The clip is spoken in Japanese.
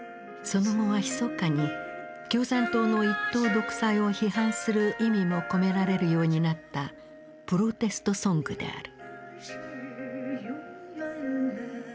その後はひそかに共産党の一党独裁を批判する意味も込められるようになったプロテストソングである。